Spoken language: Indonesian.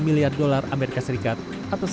ketika diberlakukan larangan ekspor biji bauksit